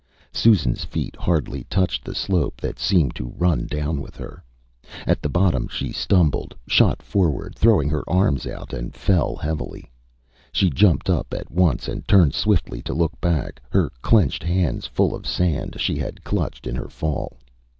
SusanÂs feet hardly touched the slope that seemed to run down with her. At the bottom she stumbled, shot forward, throwing her arms out, and fell heavily. She jumped up at once and turned swiftly to look back, her clenched hands full of sand she had clutched in her fall.